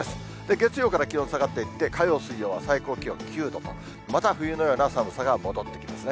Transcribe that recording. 月曜から気温下がって、火曜、水曜は最高気温９度と、また冬のような寒さが戻ってきますね。